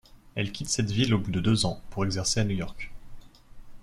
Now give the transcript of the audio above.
Elle quitte cette ville au bout de deux ans pour exercer à New York.